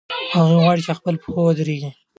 هغوی غواړي په خپلو پښو ودرېږي.